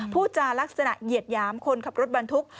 พูดจารักษณเหยียดหยามคนขับรถบรรทุก